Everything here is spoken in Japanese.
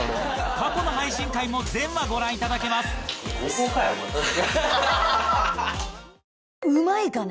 過去の配信回も全話ご覧いただけますうまいかね？